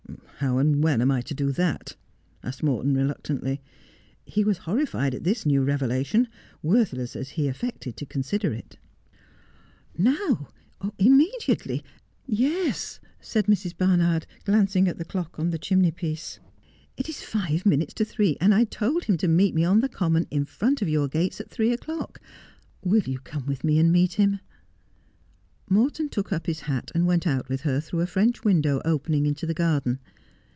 ' How and when am I to do that 'I ' asked Morton reluctantly. He was horrified at this new revelation, worthless as he affected to consider it. ' Now — immediately. Yes,' said Mrs. Barnard, glancing at the clock on the chimney piece, ' it is five minutes to three, and I told him to meet me on the common in front of your gates at three o'clock. Will you come with me to meet him 1 ' Morton took up his hat and went out with her through a French window opening into the garden.